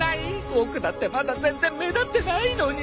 僕だってまだ全然目立ってないのに！